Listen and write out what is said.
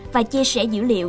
và chia sẻ dữ liệu